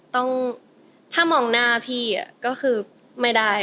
ต้องถ้ามองหน้าพี่ก็คือไม่ได้